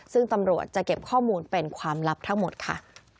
ซึ่งตำรวจจะเก็บข้อมูลเป็นความลับทั้งหมดค่ะ